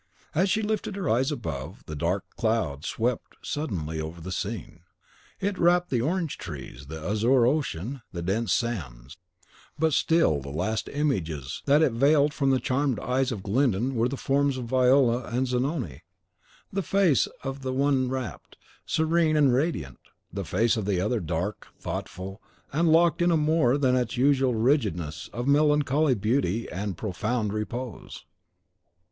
As she lifted her eyes above, a dark cloud swept suddenly over the scene. It wrapped the orange trees, the azure ocean, the dense sands; but still the last images that it veiled from the charmed eyes of Glyndon were the forms of Viola and Zanoni. The face of the one rapt, serene, and radiant; the face of the other, dark, thoughtful, and locked in more than its usual rigidness of melancholy beauty and profound repose.